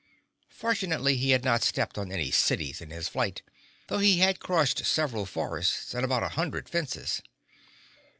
Fortunately he had not stepped on any cities in his flight, although he had crushed several forests and about a hundred fences.